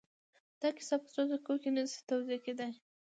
دا کيسه په څو دقيقو کې نه شي توضيح کېدای.